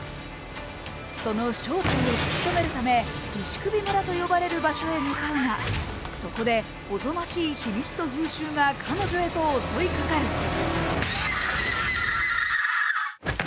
その正体を突きとめるため、牛首村と呼ばれる場所へ向かうが、そこでおぞましい秘密と風習が彼女へと襲いかかる。